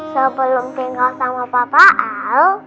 sebelum tinggal sama papa al